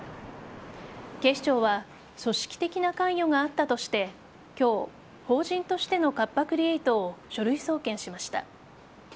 警視庁は組織的な関与があったとして今日、法人としてのカッパ・クリエイトを書類送検しました。